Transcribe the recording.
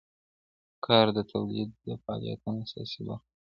کار د تولید د فعالیتونو اساسي برخه ده.